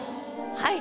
はい。